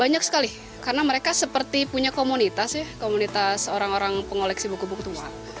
banyak sekali karena mereka seperti punya komunitas ya komunitas orang orang pengoleksi buku buku tua